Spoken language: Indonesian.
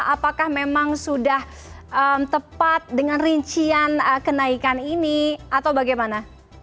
apakah memang sudah tepat dengan rincian kenaikan ini atau bagaimana